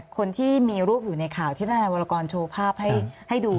คนที่มีรูปอยู่ในข่าวที่ทนายวรกรโชว์ภาพให้ดู